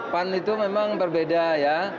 pada saat itu memang berbeda ya